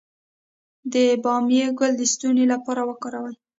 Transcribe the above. د بامیې ګل د ستوني لپاره وکاروئ